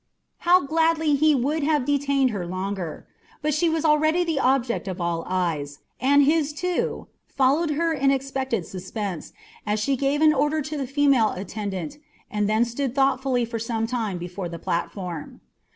How gladly he would have detained her longer! but she was already the object of all eyes, and his, too, followed her in expectant suspense as she gave an order to the female attendant and then stood thoughtfully for some time before the platform.